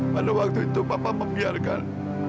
pada waktu itu bapak membiarkan